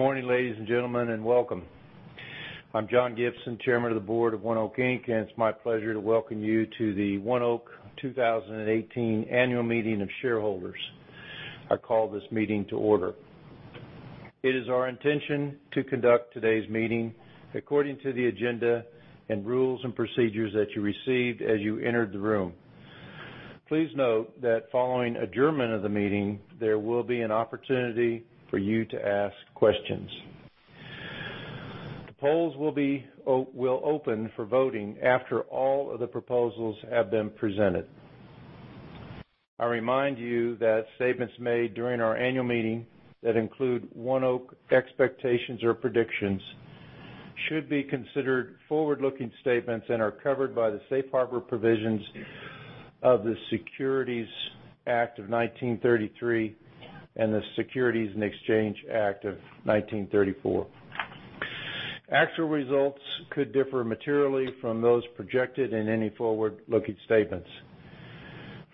Good morning, ladies and gentlemen, and welcome. I'm John Gibson, Chairman of the Board of ONEOK, Inc., and it's my pleasure to welcome you to the ONEOK 2018 Annual Meeting of Shareholders. I call this meeting to order. It is our intention to conduct today's meeting according to the agenda and rules and procedures that you received as you entered the room. Please note that following adjournment of the meeting, there will be an opportunity for you to ask questions. The polls will open for voting after all of the proposals have been presented. I remind you that statements made during our annual meeting that include ONEOK expectations or predictions should be considered forward-looking statements and are covered by the safe harbor provisions of the Securities Act of 1933 and the Securities Exchange Act of 1934. Actual results could differ materially from those projected in any forward-looking statements.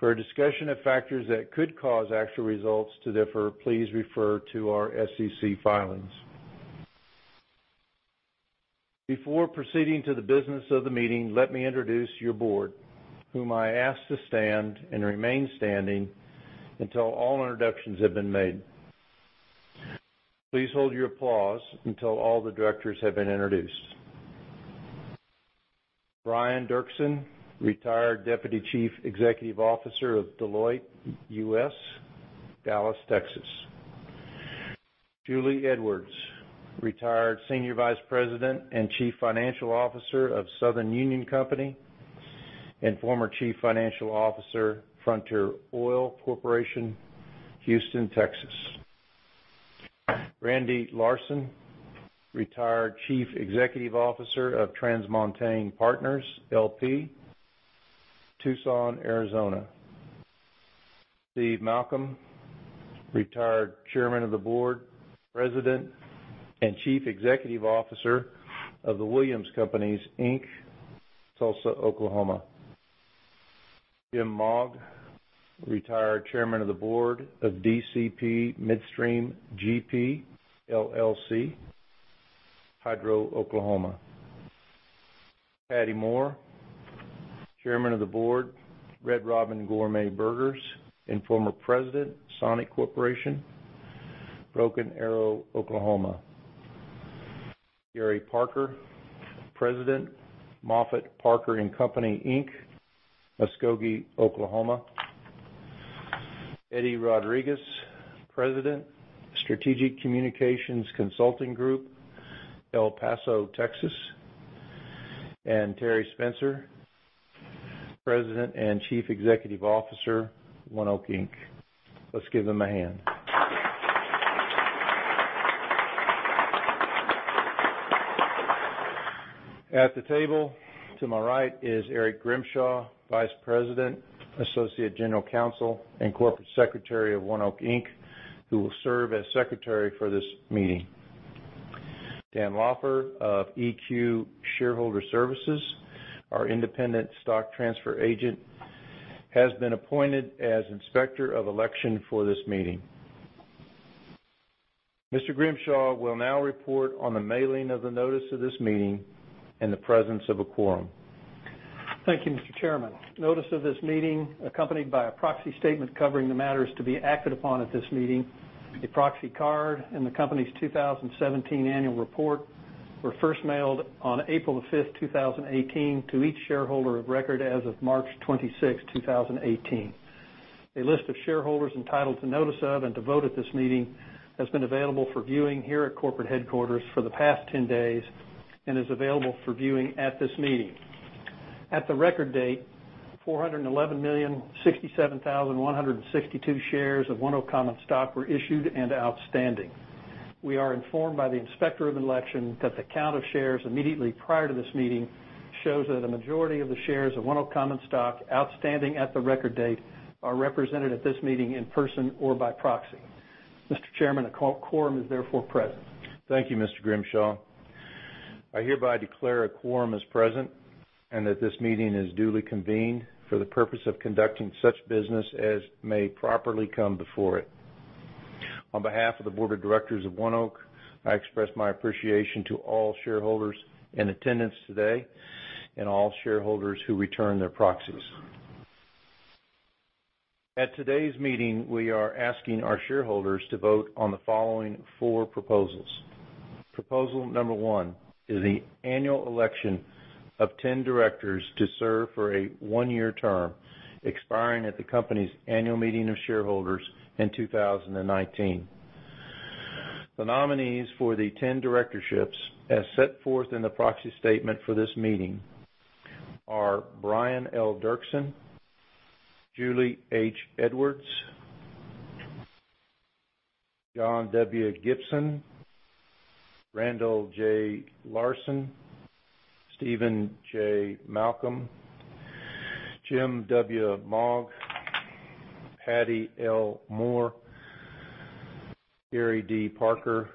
For a discussion of factors that could cause actual results to differ, please refer to our SEC filings. Before proceeding to the business of the meeting, let me introduce your board, whom I ask to stand and remain standing until all introductions have been made. Please hold your applause until all the directors have been introduced. Brian Derksen, retired Deputy Chief Executive Officer of Deloitte US, Dallas, Texas. Julie Edwards, retired Senior Vice President and Chief Financial Officer of Southern Union Company and former Chief Financial Officer, Frontier Oil Corporation, Houston, Texas. Randy Larson, retired Chief Executive Officer of TransMontaigne Partners L.P., Tucson, Arizona. Steve Malcolm, retired Chairman of the Board, President, and Chief Executive Officer of The Williams Companies, Inc., Tulsa, Oklahoma. Jim Mogg, retired Chairman of the Board of DCP Midstream GP LLC, Hydro, Oklahoma. Pattye Moore, Chairman of the Board, Red Robin Gourmet Burgers, Inc., and former President, Sonic Corp., Broken Arrow, Oklahoma. Gary Parker, President, Moffett Parker and Company Inc, Muskogee, Oklahoma. Eddie Rodriguez, President, Strategic Communication Consulting Group, El Paso, Texas. Terry Spencer, President and Chief Executive Officer, ONEOK, Inc. Let's give them a hand. At the table to my right is Eric Grimshaw, Vice President, Associate General Counsel, and Corporate Secretary of ONEOK, Inc., who will serve as Secretary for this meeting. Dan Laufer of EQ Shareowner Services, our independent stock transfer agent, has been appointed as Inspector of Election for this meeting. Mr. Grimshaw will now report on the mailing of the notice of this meeting and the presence of a quorum. Thank you, Mr. Chairman. Notice of this meeting, accompanied by a proxy statement covering the matters to be acted upon at this meeting, the proxy card, and the company's 2017 annual report were first mailed on April 5, 2018, to each shareholder of record as of March 26, 2018. A list of shareholders entitled to notice of and to vote at this meeting has been available for viewing here at corporate headquarters for the past 10 days and is available for viewing at this meeting. At the record date, 411,067,162 shares of ONEOK common stock were issued and outstanding. We are informed by the Inspector of Election that the count of shares immediately prior to this meeting shows that a majority of the shares of ONEOK common stock outstanding at the record date are represented at this meeting in person or by proxy. Mr. Chairman, a quorum is therefore present. Thank you, Mr. Grimshaw. I hereby declare a quorum is present and that this meeting is duly convened for the purpose of conducting such business as may properly come before it. On behalf of the Board of Directors of ONEOK, I express my appreciation to all shareholders in attendance today and all shareholders who return their proxies. At today's meeting, we are asking our shareholders to vote on the following four proposals. Proposal number one is the annual election of 10 directors to serve for a one-year term, expiring at the company's annual meeting of shareholders in 2019. The nominees for the 10 directorships, as set forth in the proxy statement for this meeting, are Brian L. Derksen, Julie H. Edwards, John W. Gibson, Randall J. Larson, Steven J. Malcolm, Jim W. Mogg, Pattye L. Moore, Gary D. Parker,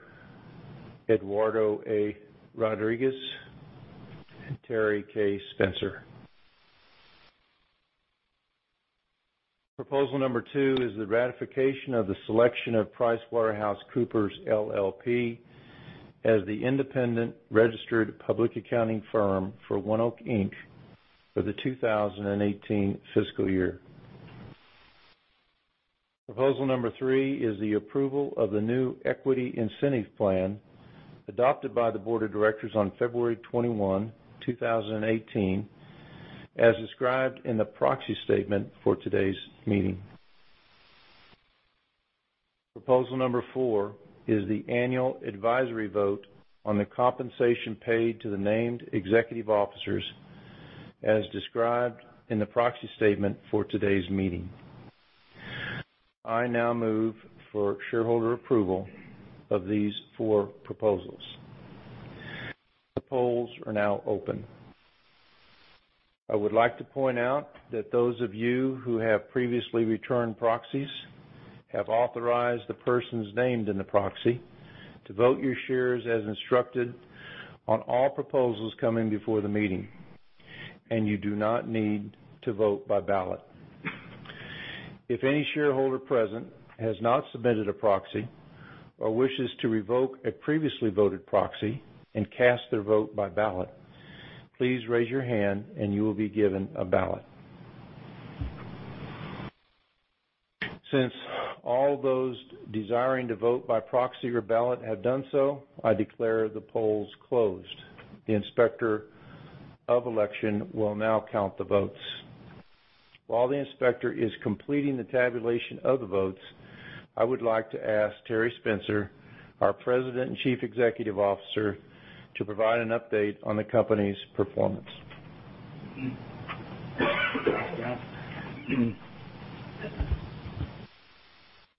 Eduardo A. Rodriguez, and Terry K. Spencer. Proposal number two is the ratification of the selection of PricewaterhouseCoopers LLP as the independent registered public accounting firm for ONEOK, Inc. for the 2018 fiscal year. Proposal number three is the approval of the new equity incentive plan adopted by the board of directors on February 21, 2018, as described in the proxy statement for today's meeting. Proposal number four is the annual advisory vote on the compensation paid to the named executive officers as described in the proxy statement for today's meeting. I now move for shareholder approval of these four proposals. The polls are now open. I would like to point out that those of you who have previously returned proxies have authorized the persons named in the proxy to vote your shares as instructed on all proposals coming before the meeting. You do not need to vote by ballot. If any shareholder present has not submitted a proxy or wishes to revoke a previously voted proxy and cast their vote by ballot, please raise your hand and you will be given a ballot. Since all those desiring to vote by proxy or ballot have done so, I declare the polls closed. The Inspector of Election will now count the votes. While the Inspector is completing the tabulation of the votes, I would like to ask Terry Spencer, our President and Chief Executive Officer, to provide an update on the company's performance.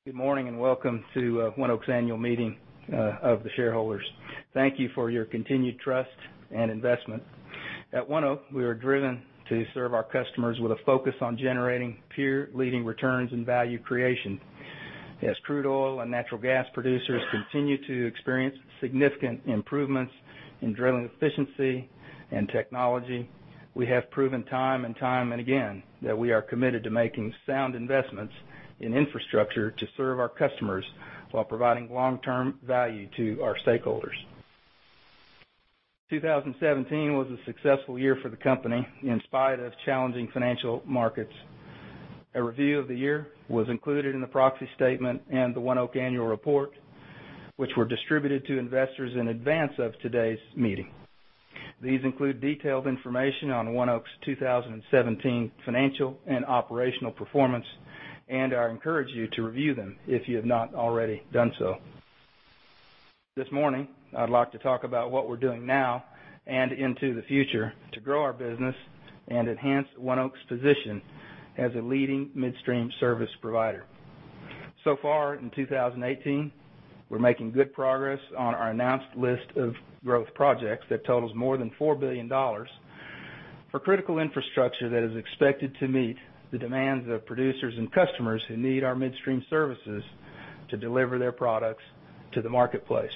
Good morning, welcome to ONEOK's annual meeting of the shareholders. Thank you for your continued trust and investment. At ONEOK, we are driven to serve our customers with a focus on generating peer-leading returns and value creation. As crude oil and natural gas producers continue to experience significant improvements in drilling efficiency and technology, we have proven time and time again that we are committed to making sound investments in infrastructure to serve our customers while providing long-term value to our stakeholders. 2017 was a successful year for the company in spite of challenging financial markets. A review of the year was included in the proxy statement and the ONEOK annual report, which were distributed to investors in advance of today's meeting. These include detailed information on ONEOK's 2017 financial and operational performance. I encourage you to review them if you have not already done so. This morning, I'd like to talk about what we're doing now and into the future to grow our business and enhance ONEOK's position as a leading midstream service provider. Far in 2018, we're making good progress on our announced list of growth projects that totals more than $4 billion for critical infrastructure that is expected to meet the demands of producers and customers who need our midstream services to deliver their products to the marketplace.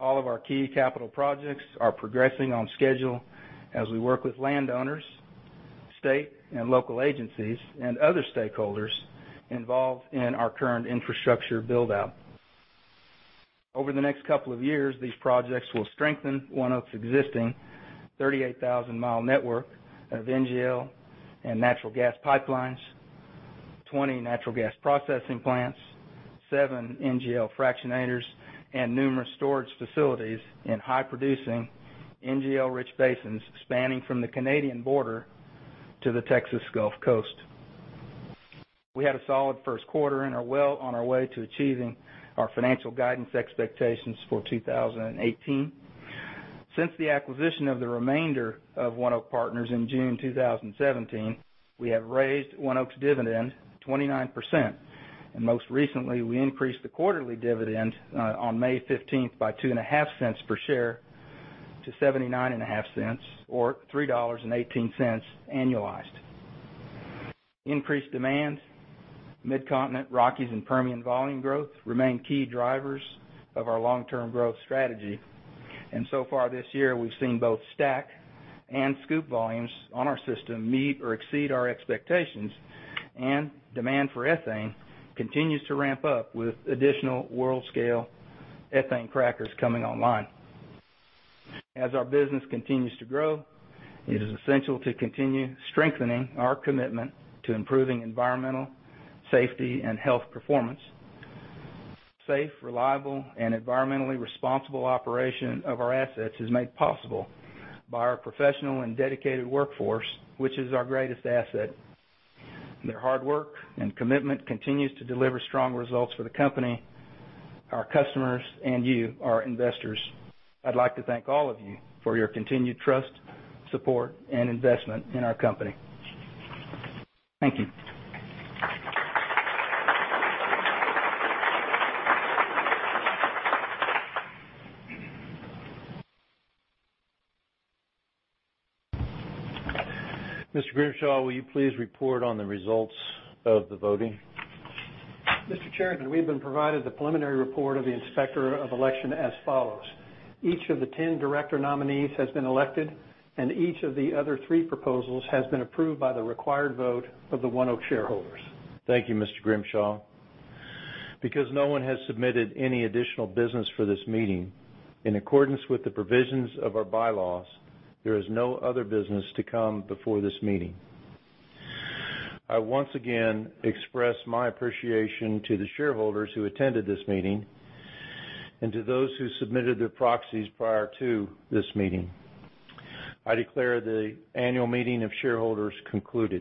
All of our key capital projects are progressing on schedule as we work with landowners, state and local agencies, and other stakeholders involved in our current infrastructure build-out. Over the next couple of years, these projects will strengthen ONEOK's existing 38,000-mile network of NGL and natural gas pipelines, 20 natural gas processing plants, seven NGL fractionators, and numerous storage facilities in high-producing NGL-rich basins spanning from the Canadian border to the Texas Gulf Coast. We had a solid first quarter and are well on our way to achieving our financial guidance expectations for 2018. Since the acquisition of the remainder of ONEOK Partners in June 2017, we have raised ONEOK's dividend 29%. Most recently, we increased the quarterly dividend on May 15th by two and a half cents per share to 79 and a half cents, or $3.18 annualized. Increased demand, Mid-Continent, Rockies, and Permian volume growth remain key drivers of our long-term growth strategy. So far this year, we've seen both STACK and SCOOP volumes on our system meet or exceed our expectations. Demand for ethane continues to ramp up with additional world-scale ethane crackers coming online. As our business continues to grow, it is essential to continue strengthening our commitment to improving environmental safety and health performance. Safe, reliable, and environmentally responsible operation of our assets is made possible by our professional and dedicated workforce, which is our greatest asset. Their hard work and commitment continues to deliver strong results for the company, our customers, and you, our investors. I'd like to thank all of you for your continued trust, support, and investment in our company. Thank you. Mr. Grimshaw, will you please report on the results of the voting? Mr. Chairman, we have been provided the preliminary report of the Inspector of Election as follows. Each of the 10 director nominees has been elected, and each of the other three proposals has been approved by the required vote of the ONEOK shareholders. Thank you, Mr. Grimshaw. Because no one has submitted any additional business for this meeting, in accordance with the provisions of our bylaws, there is no other business to come before this meeting. I once again express my appreciation to the shareholders who attended this meeting and to those who submitted their proxies prior to this meeting. I declare the annual meeting of shareholders concluded.